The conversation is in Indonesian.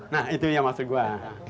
nah itu yang maksud gue